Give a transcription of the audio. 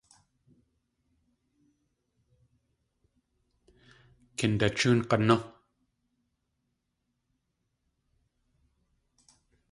Kindachóon g̲anú!